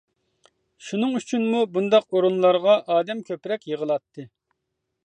شۇنىڭ ئۈچۈنمۇ، بۇنداق ئورۇنلارغا ئادەم كۆپرەك يىغىلاتتى.